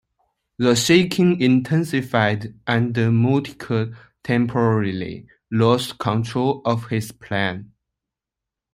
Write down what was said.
The shaking intensified, and Mutke temporarily lost control of his plane.